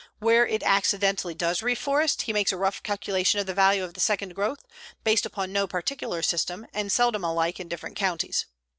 Where it accidentally does reforest, he makes a rough calculation of the value of the second growth, based upon no particular system and seldom alike in different counties.